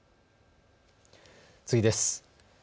次です。